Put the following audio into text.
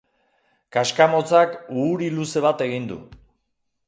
Kaskamotzak uhuri luze bat egin du.